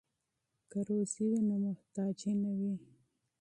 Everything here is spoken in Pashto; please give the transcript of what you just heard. که کسب وي نو محتاجی نه وي.